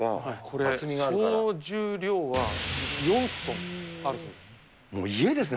これ、総重量は４トンあるそうです。